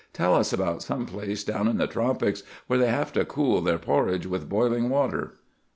Tell us about some place down in the tropics where they have to cool their porridge with boiling water."